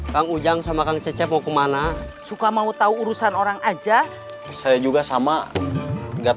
kang ujang sama kang cecep mau kemana suka mau tahu urusan orang aja saya juga sama enggak